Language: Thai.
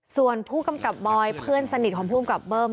ส่วนผู้กำกับบอยเพื่อนสนิทของภูมิกับเบิ้ม